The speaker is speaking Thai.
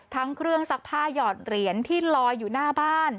ทั้งเครื่องซักผ้าหยอดเหรียญที่ลอยอยู่หน้าบ้าน